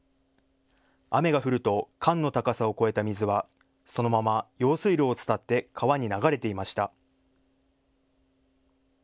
雨が降ると管の高さを超えた水はそのまま用水路を伝って川に流れていました。